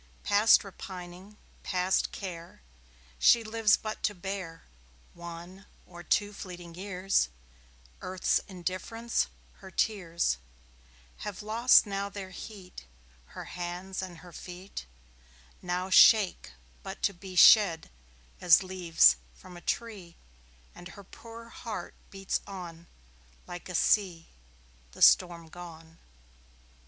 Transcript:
Past repining, past care, She lives but to bear One or two fleeting years Earth's indifference: her tears Have lost now their heat; Her hands and her feet Now shake but to be Shed as leaves from a tree; And her poor heart beats on Like a sea the storm gone.